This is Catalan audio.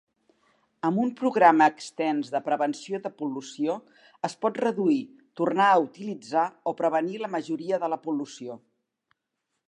Amb un programa extens de prevenció de pol·lució, es pot reduir, tornar a utilitzar o prevenir la majoria de la pol·lució.